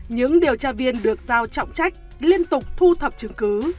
những điều tra viên được giao trọng trách liên tục thu thập chứng cứ